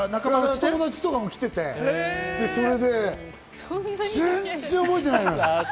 友達とかも来てて、それで、全然覚えてないのよ。